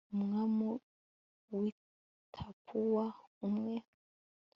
umwami w'i tapuwa, umwe